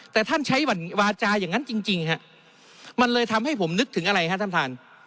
แต่ท่านใช้วาจาอย่างนั้นจริงฮะมันเลยทำให้ผมนึกถึงอะไรฮะท่านท่าน